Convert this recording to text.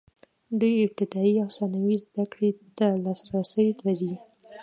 دوی ابتدايي او ثانوي زده کړې ته لاسرسی لري.